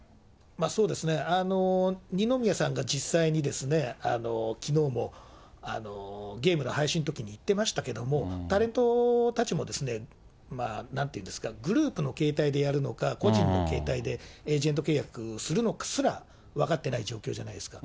そうですね、二宮さんが実際に、きのうもゲームの配信のときに言ってましたけれども、タレントたちも、なんていうんですか、グループの形態でやるのか個人の形態でエージェント契約をするのかすら、分かってない状況じゃないですか。